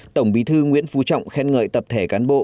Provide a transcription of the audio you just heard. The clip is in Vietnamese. tổng bí thư nguyễn phú trọng khen ngợi tập thể cán bộ